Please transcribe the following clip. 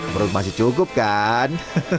menurutmu masih cukup kan